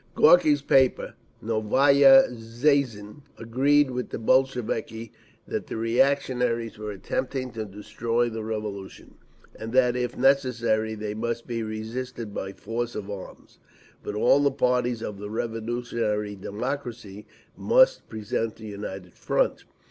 Gorky's paper, Novaya Zhizn, agreed with the Bolsheviki that the reactionaries were attempting to destroy the Revolution, and that if necessary they must be resisted by force of arms; but all the parties of the revolutionary democracy must present a united front.